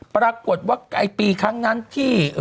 ปรากฏว่าไอ้ปีครั้งนั้นที่